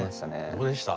どうでした？